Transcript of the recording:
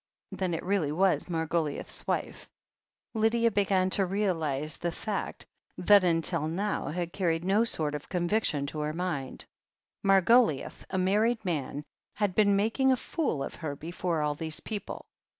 " Then it really was Margoliouth's wife. Lydia began to realize the fact that tmtil now had carried no sort of conviction to her mind. Margoliouth, a married man, had been making a fool of her before all these people.